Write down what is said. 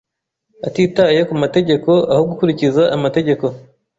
atitaye ku mategeko aho gukurikiza amategeko